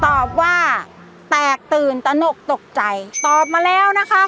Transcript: ตอบว่าแตกตื่นตนกตกใจตอบมาแล้วนะคะ